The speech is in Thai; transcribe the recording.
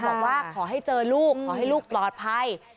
บอกว่าขอให้เจอลูกขอให้ลูกปลอดภัย